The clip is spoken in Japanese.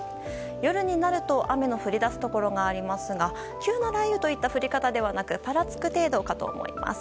夜になると雨の降り出すところがありますが急な雷雨といった降り方ではなくぱらつく程度かと思います。